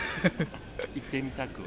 行ってみたくは？